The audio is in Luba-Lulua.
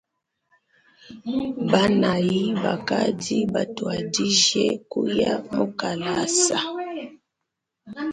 Banayi bakadi batuadije kuya mukalasa.